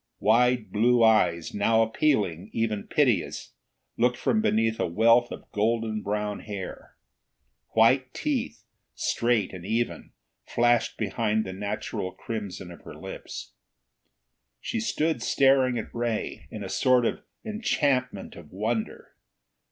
Wide blue eyes, now appealing, even piteous, looked from beneath a wealth of golden brown hair. White teeth, straight and even, flashed behind the natural crimson of her lips. She stood staring at Ray, in a sort of enchantment of wonder.